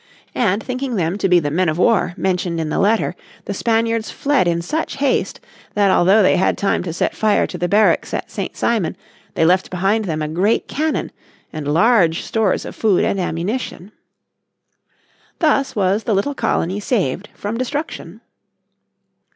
And thinking them to be the men of war mentioned in the letter the Spaniards fled in such haste that although they had time to set fire to the barracks at St. Simon they left behind them a great cannon and large stores of food and ammunition. Thus was the little colony saved from destruction.